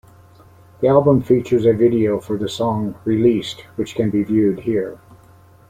The album features a video for the song "Released", which can be viewed here.